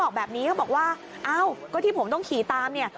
บอกแบบนี้เขาบอกว่าเอ้าก็ที่ผมต้องขี่ตามเนี่ย